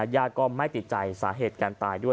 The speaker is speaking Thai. ญาติก็ไม่ติดใจสาเหตุการตายด้วย